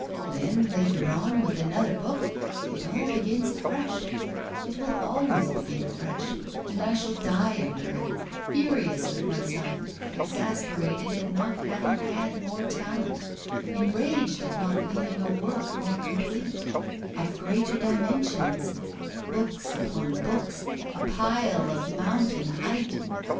Then, later on, with another book, it all begins afresh; it will always begin afresh, and I shall die under it, furious with myself, exasperated at not having had more talent, enraged at not leaving a "work" more complete, of greater dimensions books upon books, a pile of mountain height!